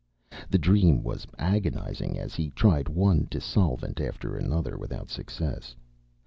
The dream was agonizing as he tried one dissolvent after another without success.